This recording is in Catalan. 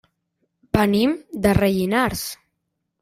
Venim de Rellinars.